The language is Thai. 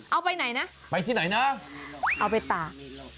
เอาไปไหนนะไปที่ไหนนะเอาไปตาก